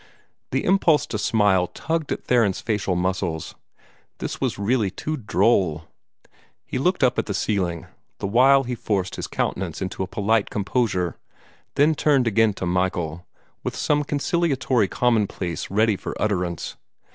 The impulse to smile tugged at Theron's facial muscles. This was really too droll. He looked up at the ceiling, the while he forced his countenance into a polite composure, then turned again to Michael, with some conciliatory commonplace ready for utterance.